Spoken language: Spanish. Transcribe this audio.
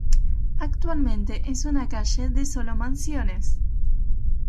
Actualmente es una calle de solo mansiones.